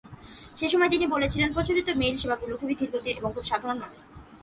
সেসময় তিনি বলেছিলেন, প্রচলিত মেইল সেবাগুলো খুবই ধীরগতির এবং খুব সাধারণ মানের।